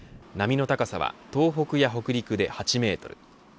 波の高さは東北や北陸で８メートル。